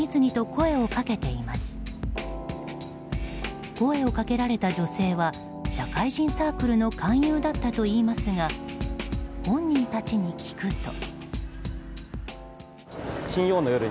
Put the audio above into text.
声をかけられた女性は社会人サークルの勧誘だったといいますが本人たちに聞くと。